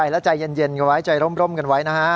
แล้วใจเย็นกันไว้ใจร่มกันไว้นะฮะ